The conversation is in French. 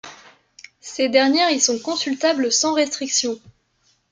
Ces dernières y sont consultables sans restrictions.